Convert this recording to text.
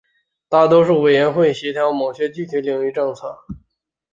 大多数委员会协调某些具体领域的政策。